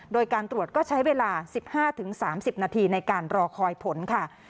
โดยการตรวจก็ใช้เวลา๑๕๓๐นาทีในการรอคอยผลค่ะ